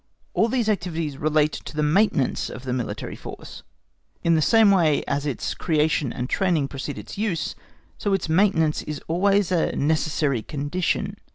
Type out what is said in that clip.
All these activities relate to the maintenance of the military force. In the same way as its creation and training precede its use, so its maintenance is always a necessary condition.